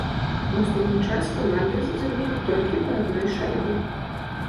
У асноўны час каманды забілі толькі па адной шайбе.